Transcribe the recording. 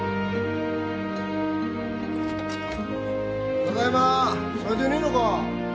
ただいま斉藤いねえのか？